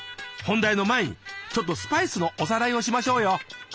本題の前にちょっとスパイスのおさらいをしましょうよ。